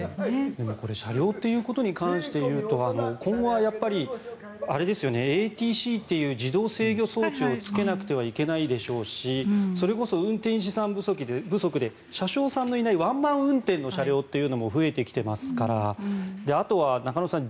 でも車両ということに関していうと今後はＡＴＣという自動制御装置をつけなくてはいけないでしょうしそれこそ運転士さん不足で車掌さんのいないワンマン運転の車両というのも増えてきていますからあとは中野さん